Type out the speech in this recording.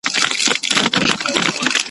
هسي نه چي شوم اثر دي پر ما پرېوزي